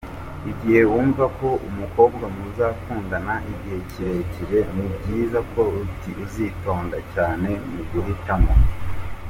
Igihe wumva ko umukobwa muzakundana igihe kirekire, ni byiza ko uzitonda cyane mu guhitamo.